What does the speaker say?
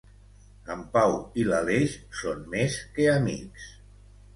En Pau i l'Aleix són més que amics.